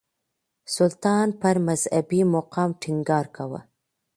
سلطان پر مذهبي مقام ټينګار کاوه.